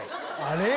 あれ？